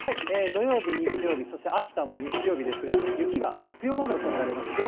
土曜日、日曜日、そして秋田も日曜日ですが、雪が強まるおそれがあります。